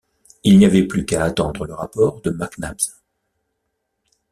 Il n’y avait plus qu’à attendre le rapport de Mac Nabbs.